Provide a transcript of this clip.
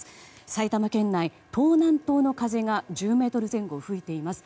埼玉県内、東南東の風が１０メートル前後吹いています。